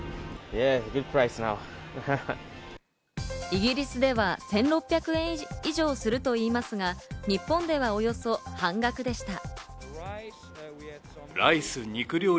イギリスでは１６００円以上するといいますが、日本ではおよそ半額でした。